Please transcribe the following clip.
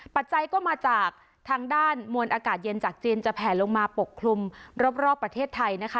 ปัจจัยก็มาจากทางด้านมวลอากาศเย็นจากจีนจะแผลลงมาปกคลุมรอบประเทศไทยนะคะ